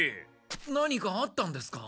何かあったんですか？